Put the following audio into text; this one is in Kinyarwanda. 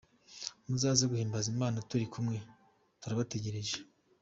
Muzaze duhimbaze Imana turi kumwe, turabategereje.